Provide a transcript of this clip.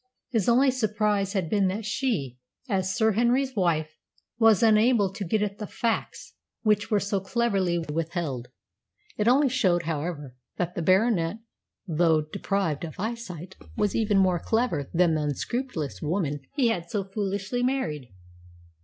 His only surprise had been that she, as Sir Henry's wife, was unable to get at the facts which were so cleverly withheld. It only showed, however, that the Baronet, though deprived of eyesight, was even more clever than the unscrupulous woman he had so foolishly married.